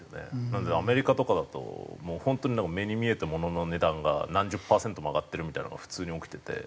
なのでアメリカとかだと本当に目に見えてものの値段が何十パーセントも上がってるみたいなのが普通に起きてて。